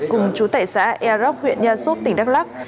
cùng chú tệ xã air rock huyện nha súp tỉnh đắk lắc